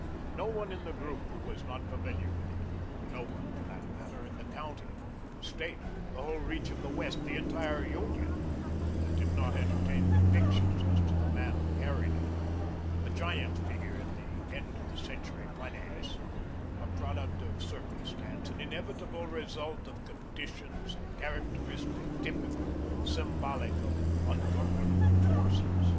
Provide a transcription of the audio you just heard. No one in the group who was not familiar with it; no one, for that matter, in the county, the State, the whole reach of the West, the entire Union, that did not entertain convictions as to the man who carried it; a giant figure in the end of the century finance, a product of circumstance, an inevitable result of conditions, characteristic, typical, symbolic of ungovernable forces.